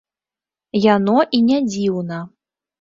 Яно і не дзіўна.